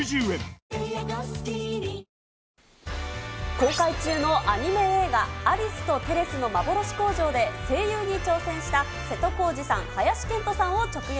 公開中のアニメ映画、アリスとテレスのまぼろし工場で、声優に挑戦した瀬戸康史さん、林遣都さんを直撃。